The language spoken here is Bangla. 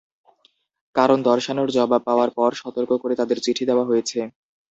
কারণ দর্শানোর জবাব পাওয়ার পর সতর্ক করে তাঁদের চিঠি দেওয়া হয়েছে।